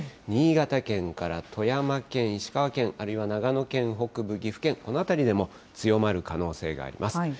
新潟県から富山県、石川県、あるいは長野県北部、岐阜県、この辺りでも、強まる可能性があります。